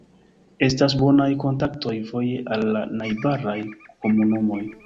Estas bonaj kontaktoj voje al la najbaraj komunumoj.